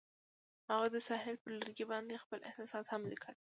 هغوی د ساحل پر لرګي باندې خپل احساسات هم لیکل.